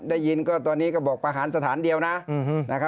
ได้ยินก็ตอนนี้ก็บอกประหารสถานเดียวนะ